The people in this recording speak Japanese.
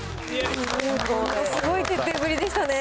すごい徹底ぶりでしたね。